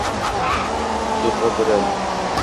Sudg‘a biram.